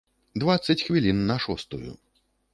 Дваццаць хвілін на шостую.